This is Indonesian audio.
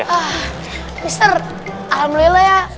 ah mister alhamdulillah ya